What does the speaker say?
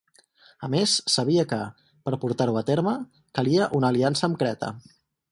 A més, sabia que, per portar-ho a terme, calia una aliança amb Creta.